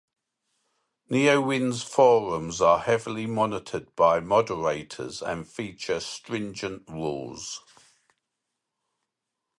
Neowin's forums are heavily monitored by moderators and feature stringent rules.